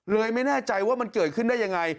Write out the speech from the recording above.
ไม่แน่ใจว่ามันเกิดขึ้นได้ยังไง